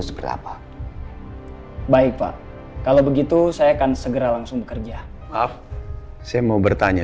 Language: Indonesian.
seperti apa baik pak kalau begitu saya akan segera langsung bekerja maaf saya mau bertanya